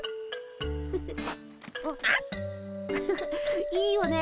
フフいいよね